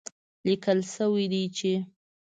ليکل شوي دي چې